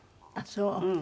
ああそう。